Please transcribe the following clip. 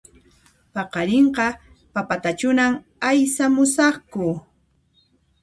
Paqarinqa papatachunan aysamusaqku